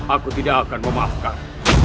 aku tidak akan memaafkan